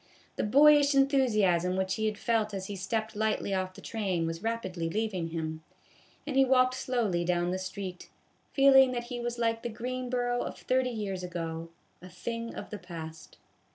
The boyish enthusiasm which he had felt as he stepped lightly off the train was rapidly leaving him, and he walked slowly down the street, feeling that he was like the Greenboro of thirty years ago, a thing of the past.